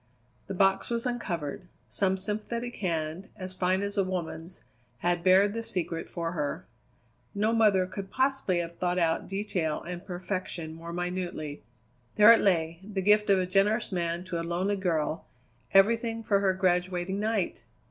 The box was uncovered. Some sympathetic hand, as fine as a woman's, had bared the secret for her. No mother could possibly have thought out detail and perfection more minutely. There it lay, the gift of a generous man to a lonely girl, everything for her graduating night!